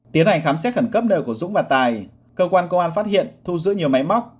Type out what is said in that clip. tiến hành khám xét khẩn cấp nơi của dũng và tài cơ quan công an phát hiện thu giữ nhiều máy móc